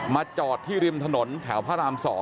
จอดที่ริมถนนแถวพระราม๒